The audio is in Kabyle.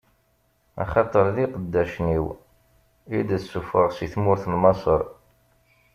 Axaṭer d iqeddacen-iw i d-ssufɣeɣ si tmurt n Maṣer.